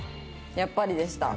やっぱりでした。